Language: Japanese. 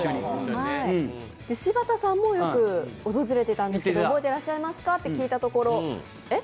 柴田さんもよく訪れてたんですけど、覚えてらっしゃるか聞いてみたら、えっ？